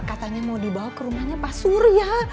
katanya mau dibawa ke rumahnya pak surya